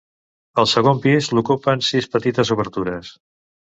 El segon pis l'ocupen sis petites obertures.